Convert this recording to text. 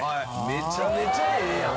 めちゃめちゃええやん！